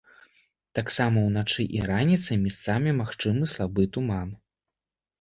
Таксама ўначы і раніцай месцамі магчымы слабы туман.